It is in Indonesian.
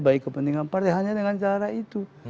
baik kepentingan partai hanya dengan cara itu